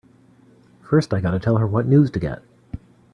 First I gotta tell her what news to get!